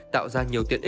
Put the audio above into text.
tạo ra nhiều chuyển đổi số